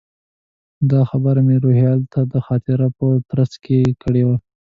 دا خبره مې روهیال ته د خاطرو په ترڅ کې کړې وه.